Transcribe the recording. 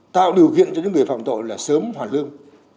tạo điều kiện cho những người phạm tội là sớm hoàn lương